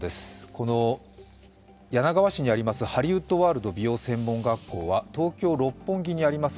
この柳川市にあるハリウッドワールド美容専門学校は、東京・六本木にあります